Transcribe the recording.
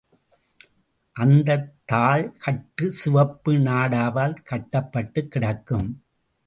அந்தத் தாள்கட்டு சிவப்பு நாடா வால் கட்டப்பட்டுக் கிடக்கும்.